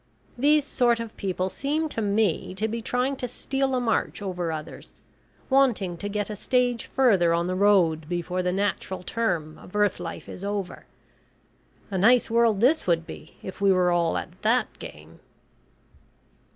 These sort of people seem to me to be trying to steal a march over others, wanting to get a stage further on the road before the natural term of earth life is over. A nice world this would be if we were all at that game."